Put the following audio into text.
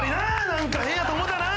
なんか変やと思ったな！